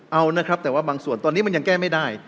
เอานะครับแต่ว่าบางส่วนตอนนี้มันยังแก้ไม่ได้